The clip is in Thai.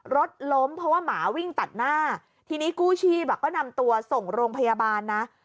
รถล้มเพราะว่าหมาวิ่งตัดหน้าทีนี้กู้ชีพก็นำตัวส่งโรงพยาบาลนะ